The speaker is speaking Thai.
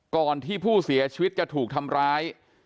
ก่อนที่ผู้เสียชีวิตจะถูกทำร้าย